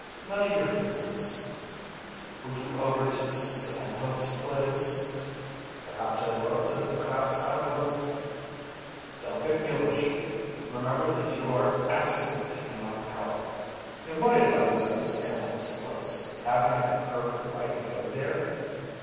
"None of your business." "Were you over to the Stanhopes' place?" "Perhaps I was and perhaps I wasn't." "Don't get mulish. Remember that you are absolutely in my power." "And what if I was at the Stanhopes' place? Haven't I a perfect right to go there?"